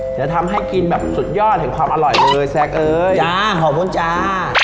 จะทำให้กินแบบสุดยอดแห่งความอร่อยเลยแซคเอ้ยจ้าขอบคุณจ้า